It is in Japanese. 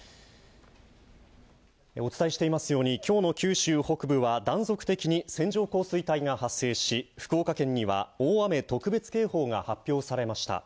お伝えしていますように、きょうの九州北部は断続的に線状降水帯が発生し、福岡県には大雨特別警報が発表されました。